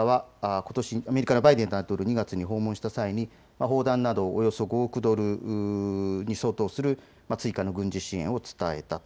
アメリカのバイデン大統領、２月に訪問した際に砲弾などおよそ５億ドルに相当する追加の軍事支援を伝えたと。